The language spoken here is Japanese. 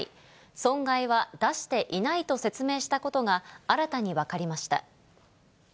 損害は出していないと説明したことが、新たに分かりました。